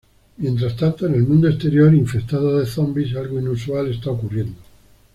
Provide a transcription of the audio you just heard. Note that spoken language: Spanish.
Mientras tanto en el mundo exterior infestado de zombis algo inusual está ocurriendo.